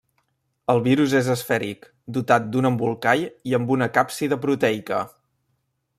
El virus és esfèric, dotat d'un embolcall i amb una càpsida proteica.